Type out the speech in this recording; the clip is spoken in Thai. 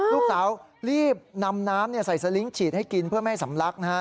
ลูกสาวรีบนำน้ำใส่สลิงค์ฉีดให้กินเพื่อไม่ให้สำลักนะฮะ